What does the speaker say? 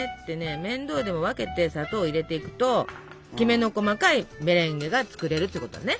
面倒でも分けて砂糖を入れていくときめの細かいメレンゲが作れるってことね。